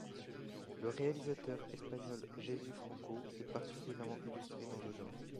Le réalisateur espagnol Jesús Franco s'est particulièrement illustré dans le genre.